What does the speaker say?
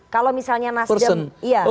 kalau misalnya nasjid